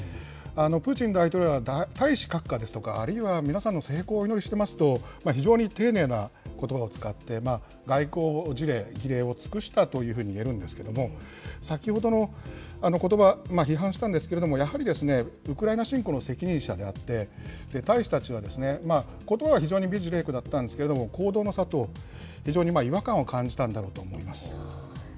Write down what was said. プーチン大統領は大使閣下ですとか、あるいは皆さんの成功をお祈りしてますと、非常に丁寧なことばを使って、外交辞令、儀礼を尽くしたというふうにいえるんですけれども、先ほどのことば、批判したんですけれども、やはり、ウクライナ侵攻の責任者であって、大使たちは、ことばは非常に美辞麗句だったんですけど、行動の差と、非常に違和感を感じたんだろうと思います。